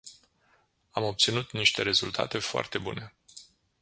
Am obținut niște rezultate foarte bune.